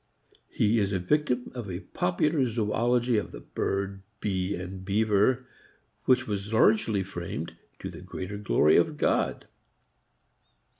He is a victim of a popular zoology of the bird, bee and beaver, which was largely framed to the greater glory of God.